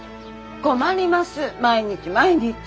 困ります毎日毎日。